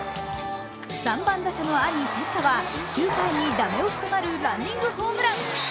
３番打者の兄は、９回に駄目押しとなるランニングホームラン。